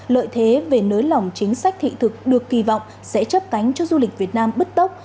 lợi thế về nới lỏng chính sách thị thực được kỳ vọng sẽ chấp cánh cho du lịch việt nam bứt tốc